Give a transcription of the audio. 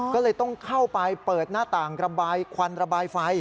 ก็เลยต้องเข้าไปเปิดหน้าต่างระบายควันระบายไฟ